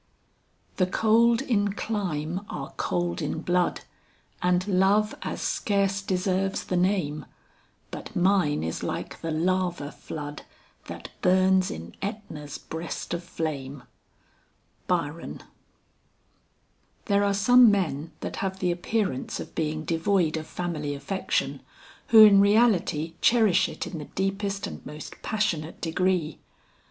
"The cold in clime are cold in blood, And love as scarce deserves the name, But mine is like the lava flood That burns in Etna's breast of flame." BYRON. "There are some men that have the appearance of being devoid of family affection, who in reality cherish it in the deepest and most passionate degree.